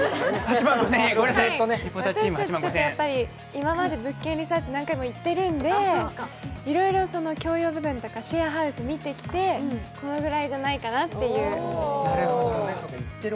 今まで「物件リサーチ」に何回も行っているんでいろいろ共用部分かシェアハウス見てきてこのぐらいじゃないかなっていう。